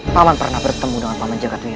paman pernah bertemu dengan paman jakarta